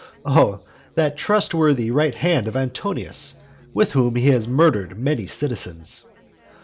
Oh that trustworthy right hand of Antonius, with which he has murdered many citizens!